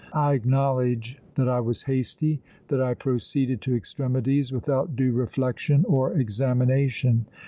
I acknowledge that I was hasty, that I proceeded to extremities without due reflection or examination.